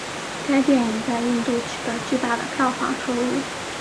该电影在印度取得巨大的票房收入。